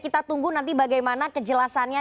kita tunggu nanti bagaimana kejelasannya